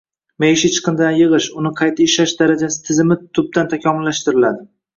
Maishiy chiqindilarni yig‘ish, uni qayta ishlash darajasi tizimi tubdan takomillashtiriladi.